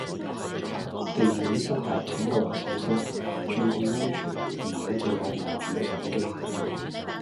地面濕滑請各位小心，注意安全唔好淨係望住個手機